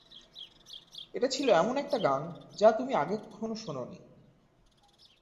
এটা ছিল এমন একটা গান যা তুমি আগে কখনো শোনোনি।